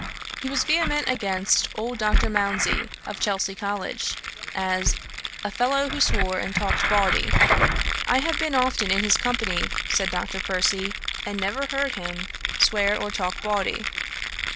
He was vehement against old Dr. Mounsey, of Chelsea College, as 'a fellow who swore and talked bawdy.' 'I have been often in his company, (said Dr. Percy,) and never heard him swear or talk bawdy.'